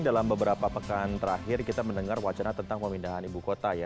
dalam beberapa pekan terakhir kita mendengar wacana tentang pemindahan ibu kota ya